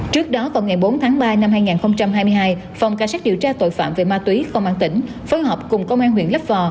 trước đó vào ngày bốn tháng ba năm hai nghìn hai mươi hai phòng cảnh sát điều tra tội phạm về ma túy công an tỉnh phối hợp cùng công an huyện lấp vò